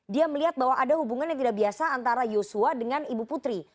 dia melihat bahwa ada hubungan yang tidak biasa antara yosua dengan ibu putri